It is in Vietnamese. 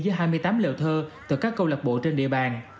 giữa hai mươi tám lều thơ từ các câu lạc bộ trên địa bàn